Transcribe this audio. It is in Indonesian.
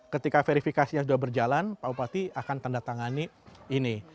ketika verifikasinya sudah berjalan pak bupati akan tanda tangani ini